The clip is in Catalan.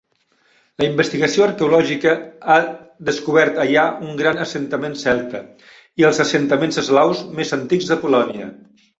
La investigació arqueològica ha descobert allà un gran assentament celta i els assentaments eslaus més antics de Polònia.